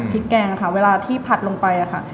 แกงค่ะเวลาที่ผัดลงไปค่ะ